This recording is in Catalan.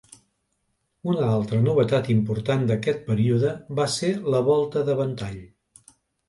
Una altra novetat important d'aquest període va ser la volta de ventall.